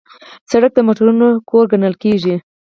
سړک د موټرونو کور ګڼل کېږي.